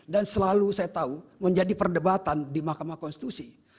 dan selalu saya tahu menjadi perdebatan di mahkamah konstitusi